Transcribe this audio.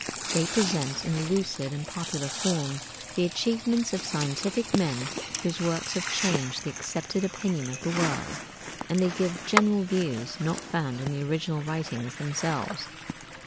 They present in a lucid and popular form the achievements of scientific men whose works have changed the accepted opinion of the world, and they give general views not found in the original writings themselves.